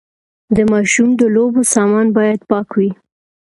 د ماشوم د لوبو سامان باید پاک وي۔